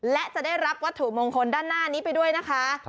และจะได้รับวัตถุมงคลด้านหน้านี้ไปด้วยนะคะ